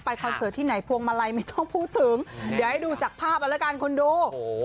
คอนเสิร์ตที่ไหนพวงมาลัยไม่ต้องพูดถึงเดี๋ยวให้ดูจากภาพเอาละกันคุณดูโอ้โห